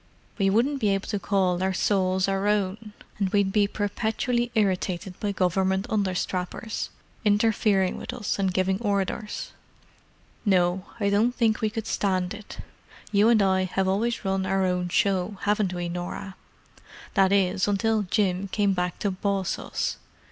We wouldn't be able to call our souls our own; and we'd be perpetually irritated by Government under strappers, interfering with us and giving orders—no, I don't think we could stand it. You and I have always run our own show, haven't we, Norah—that is, until Jim came back to boss us!"